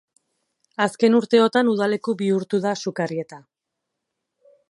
Azken urteotan udaleku bihurtu da Sukarrieta.